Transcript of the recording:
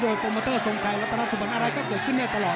โดยโปรเมอเตอร์ทรงไทยและตราสุบันอะไรก็เกิดขึ้นเนี่ยตลอดนะครับ